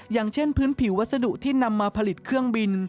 อย่างเช่นพื้นผิววัสดุที่นำมาผลิตเครื่องบิน